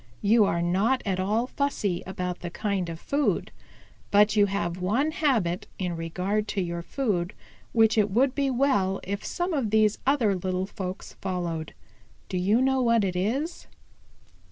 You are not at all fussy about the kind of food. But you have one habit in regard to your food which it would be well if some of these other little folks followed. Do you know what it is?"